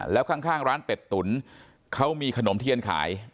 แล้วข้างร้านเป็ดตุ๋นเขามีขนมเทียนขาย